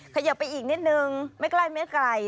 ขยับไปอีกนิดนึงไม่ใกล้ไม่ไกล